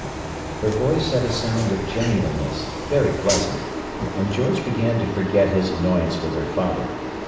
Her voice had a sound of genuineness, very pleasant; and George began to forget his annoyance with her father.